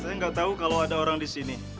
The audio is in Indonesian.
enggak tahu kalau ada orang di sini